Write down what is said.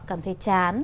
cảm thấy chán